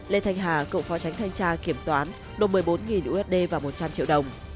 lê thanh hà cựu phó tránh thanh tra kiểm toán nộp một mươi bốn usd và một trăm linh triệu đồng